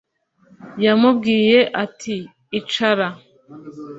yamubwiye ati« Icara !»